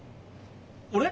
俺？